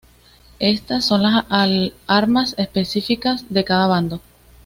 Estas son las armas específicas de cada bando.